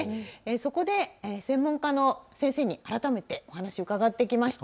そこで専門家の先生に改めてお話を伺ってきました。